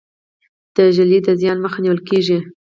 د ږلۍ د زیان مخه نیول کیږي.